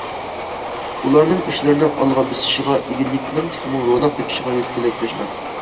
ئۇلارنىڭ ئىشلىرىنىڭ ئالغا بېسىشىغا، ئىگىلىكىنىڭ تېخىمۇ روناق تېپىشىغا تىلەكداشمەن.